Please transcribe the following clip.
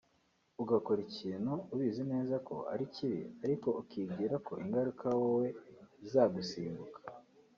ugakora ikintu ubizi neza ko ari kibi ariko ukibwira ko ingaruka wowe zizagusimbuka